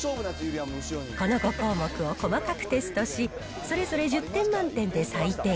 この５項目を細かくテストし、それぞれ１０点満点で採点。